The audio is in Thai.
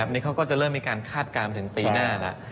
นี่เขาก็จะเริ่มมีการคาดการณ์ไปถึงปีหน้าแล้ว